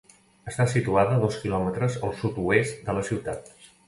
Està situada a dos kilòmetres al sud-oest de la ciutat.